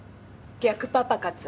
逆パパ活。